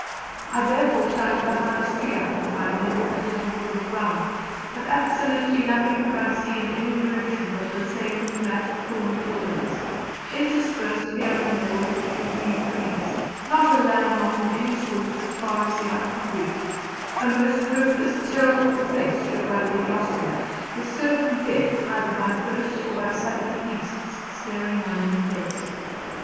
I therefore climbed the highest tree I could find in order to have a good look round, but absolutely nothing could I see in any direction but the same flat thorny wilderness, interspersed here and there with a few green trees; not a landmark of any sort or kind as far as the eye could reach; a most hopeless, terrible place should one be lost in it, with certain death either by thirst or by savage beasts staring one in the face.